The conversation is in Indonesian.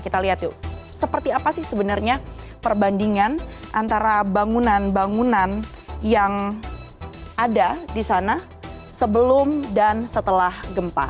kita lihat yuk seperti apa sih sebenarnya perbandingan antara bangunan bangunan yang ada di sana sebelum dan setelah gempa